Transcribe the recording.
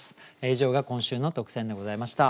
以上が今週の特選でございました。